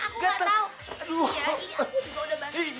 aku udah garuk garuk